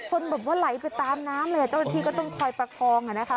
คนแบบว่าไหลไปตามน้ำเลยอ่ะเจ้าหน้าที่ก็ต้องคอยประคองอ่ะนะคะ